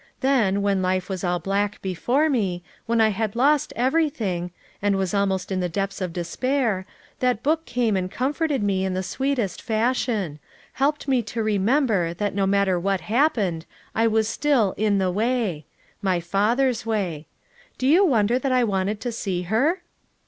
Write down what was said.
Then, when life was all black before me, when I had lost everything, — and was almost in the depths of despair, that book came and comforted me in the sweetest fashion ! helped me to remember that no matter what happened I was still 'In the Way 5 ; my Father's Way. Do you wonder that I wanted to see her?"